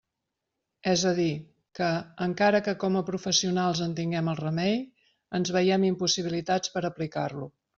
És a dir, que, encara que com a professionals en tinguem el remei, ens veiem impossibilitats per aplicar-lo.